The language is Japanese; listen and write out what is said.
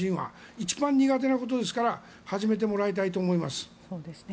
一番苦手なことですから始めてもらいたいと思います。